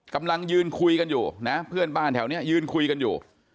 กำลังยืนคุยกันอยู่นะเพื่อนบ้านแถวนี้ยืนคุยกันอยู่